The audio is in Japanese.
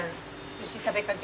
寿司食べかけ